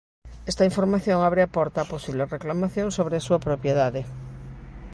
Esta información abre a porta a posibles reclamacións sobre a súa propiedade.